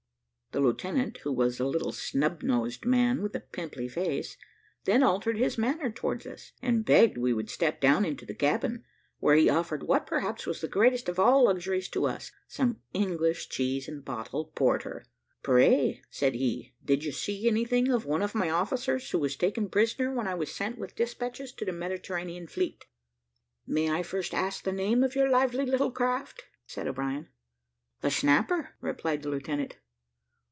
The lieutenant, who was a little snubnosed man, with a pimply face, then altered his manner towards us, and begged we would step down into the cabin, where he offered what perhaps was the greatest of all luxuries to us, some English cheese and bottled porter. "Pray," said he, "did you see anything of one of my officers; who was taken prisoner when I was sent with despatches to the Mediterranean fleet?" "May I first ask the name of your lively little craft?" said O'Brien. "The Snapper," replied the lieutenant.